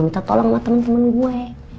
tolong sama temen temen gue